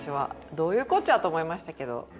どういうこっちゃ！？と思いましたけど。